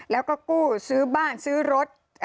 แล้วก็กู้ซื้อบ้านซื้อรถ